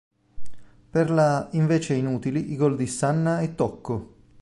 Per la invece inutili i gol di Sanna e Tocco.